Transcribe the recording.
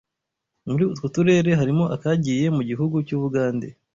Muri utwo turere harimo akagiye mu gihugu cy’Ubugande